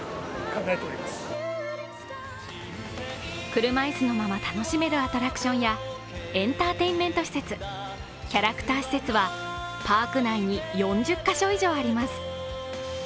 車椅子のまま楽しめるアトラクションやエンターテインメント施設、キャラクター施設はパーク内に４０カ所以上あります。